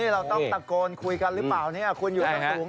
เราต้องตะโกนบอกว่าควรอยู่กับสูง